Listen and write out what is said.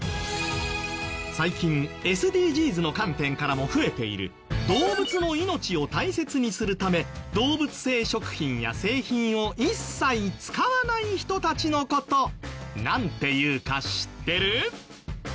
最近ＳＤＧｓの観点からも増えている動物の命を大切にするため動物性食品や製品を一切使わない人たちの事なんていうか知ってる？